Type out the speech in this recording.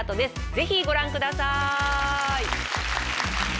ぜひご覧ください。